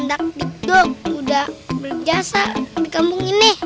bandak duk duk udah berjasa di kampung ini